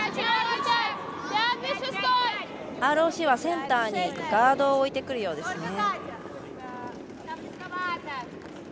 ＲＯＣはセンターにガードを置いてくるようです。